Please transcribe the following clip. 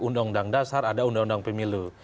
undang undang dasar ada undang undang pemilu